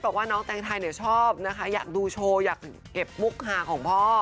บอกว่าน้องแตงไทยเนี่ยชอบนะคะอยากดูโชว์อยากเก็บมุกหาของพ่อ